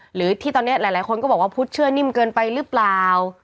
หรือที่ตอนนี้หลายคนก็บอกว่าพุทธเชื่อนิ่มเกินไปหรือเปล่า